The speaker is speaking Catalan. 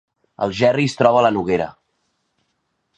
Algerri es troba a la Noguera